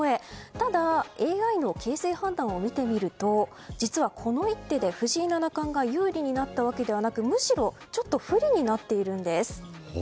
ただ、ＡＩの形勢判断を見てみると実は、この一手で藤井七冠が有利になったわけではなくむしろちょっと不利になっているんです。